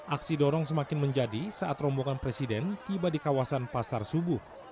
aksi dorong semakin menjadi saat rombongan presiden tiba di kawasan pasar subuh